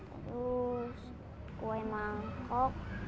terus kue mangkok